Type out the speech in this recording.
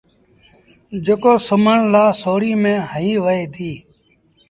جيڪو سُومڻ لآ سوڙيٚن ميݩ هنئيٚ وهي ديٚ